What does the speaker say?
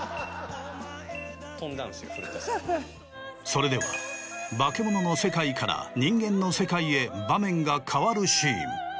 それではバケモノの世界から人間の世界へ場面が変わるシーン。